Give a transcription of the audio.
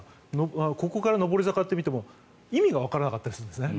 ここから上り坂と見ても意味がわからなかったりするんですね。